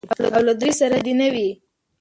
او له دوی سره دې نه وي.